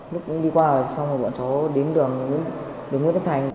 lúc đó đi qua rồi xong rồi bọn cháu đến đường hương đất thành